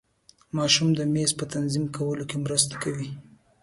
ماشوم د میز په تنظیم کولو کې مرسته کوي.